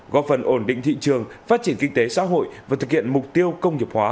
góp phần ổn định thị trường phát triển kinh tế xã hội và thực hiện mục tiêu công nghiệp hóa